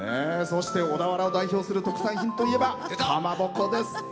そして、小田原を代表する特産品といえば、かまぼこです。